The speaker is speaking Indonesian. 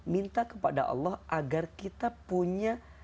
minta kepada allah agar kita punya